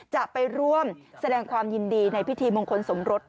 จะไปร่วมแสดงความยินดีในพิธีมงคลสมรส